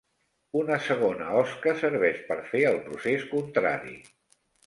Una segona osca serveix per fer el procés contrari.